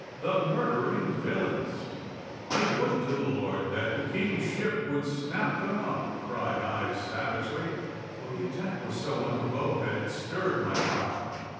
'The murdering villains!' 'I would to the Lord that King's ship would snap them up!' cried I savagely, for the attack was so unprovoked that it stirred my bile.